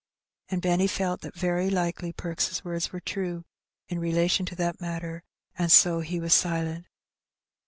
And Benny felt that very likely Perks' words were true in relation to that matter, and so he was silent.